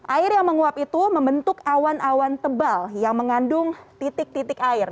air yang menguap itu membentuk awan awan tebal yang mengandung titik titik air